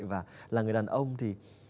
và là người đàn ông thì